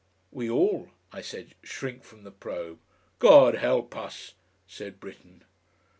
"We all," I said, "shrink from the probe." "God help us!" said Britten....